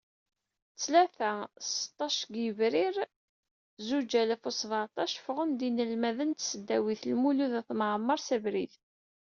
Ttlata seṭṭacdeg yebrir zuǧ alaf u seεṭac, ffɣen-d yinelmaden n tesdawit Lmulud At Mɛemmer s abrid.